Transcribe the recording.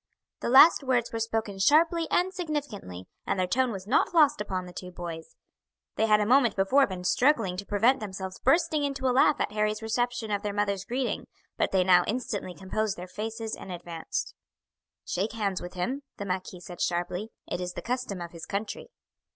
The last words were spoken sharply and significantly, and their tone was not lost upon the two boys; they had a moment before been struggling to prevent themselves bursting into a laugh at Harry's reception of their mother's greeting, but they now instantly composed their faces and advanced. "Shake hands with him," the marquis said sharply; "it is the custom of his country."